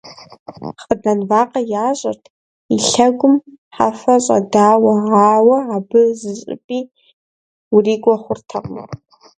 Хъыдан вакъэ ящӀырт, и лъэгум хьэфэ щӀэдауэ, ауэ абы зыщӀыпӀи урикӀуэ хъуртэкъым.